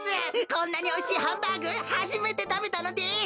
こんなにおいしいハンバーグはじめてたべたのです。